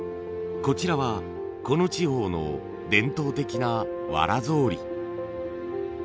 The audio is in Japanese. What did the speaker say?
こちらはこの地方の伝統的なわら草履。